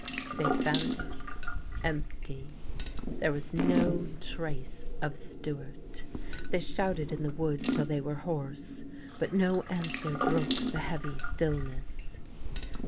They found it empty. There was no trace of Stewart. They shouted in the wood till they were hoarse, but no answer broke the heavy stillness.